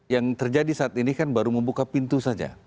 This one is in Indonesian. yang terjadi saat ini kan baru membuka pintu saja